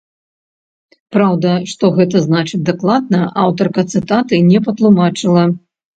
Праўда, што гэта значыць дакладна, аўтарка цытаты не патлумачыла.